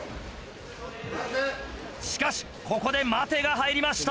しかしここで待てが入りました。